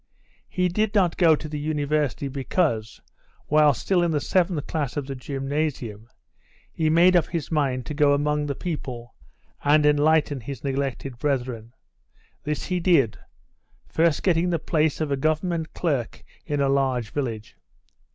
He did not go to the university because, while still in the seventh class of the gymnasium, he made up his mind to go among the people and enlighten his neglected brethren. This he did, first getting the place of a Government clerk in a large village.